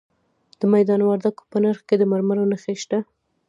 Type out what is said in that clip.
د میدان وردګو په نرخ کې د مرمرو نښې شته.